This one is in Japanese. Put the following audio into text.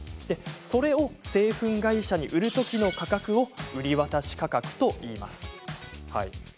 それを製粉会社に売るときの価格を売渡価格といいます。